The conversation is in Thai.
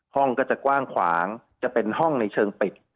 ห้องก็จะกว้างขวางจะเป็นห้องในเชิงปิด